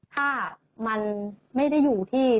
ถ้ามันไม่ได้อยู่ที่